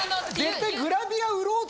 絶対。